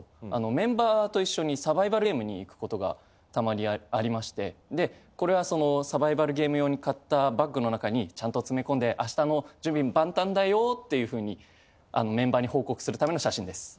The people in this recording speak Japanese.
メンバーと一緒にサバイバルゲームに行くことがたまにありましてこれはそのサバイバルゲーム用に買ったバッグの中にちゃんと詰め込んで明日の準備万端だよっていうふうにメンバーに報告するための写真です。